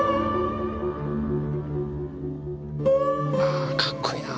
あかっこいいな。